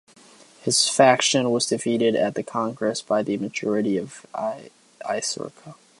His faction was defeated at the congress by the majority of the "Iskra".